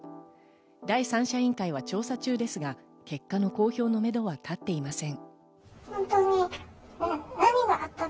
第三者委員会は調査中ですが、結果の公表のめどは立っていません。